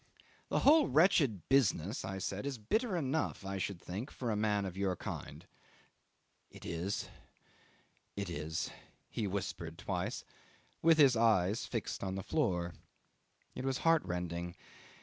"The whole wretched business," I said, "is bitter enough, I should think, for a man of your kind ..." "It is, it is," he whispered twice, with his eyes fixed on the floor. It was heartrending.